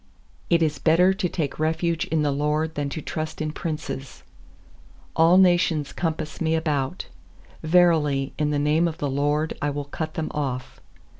9It is better to take refuge in the LORD Than to trust in princes. 10A11 nations compass me about, Verily, in the name of the LORD I will cut them off.